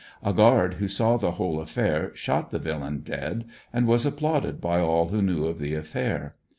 A guard who saw the whole affair shot the villain dead and was applauded by all who knew of the affair.